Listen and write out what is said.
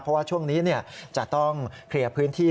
เพราะว่าช่วงนี้จะต้องเคลียร์พื้นที่